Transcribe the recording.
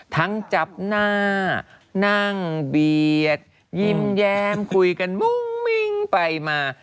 จับหน้านั่งเบียดยิ้มแย้มคุยกันมุ้งมิ้งไปมา